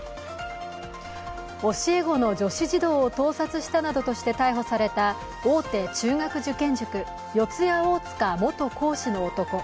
教え子の女子児童を盗撮したなどとして逮捕された大手中学受験塾、四谷大塚元講師の男。